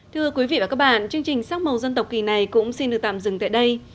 thưa quý vị và các bạn chương trình sắc màu dân tộc kỳ này cũng xin được tạm dừng tại đây